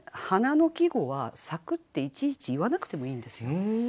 花の季語は「咲く」っていちいち言わなくてもいいんですよ。